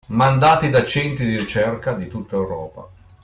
Mandati da centri di ricerca di tutta Europa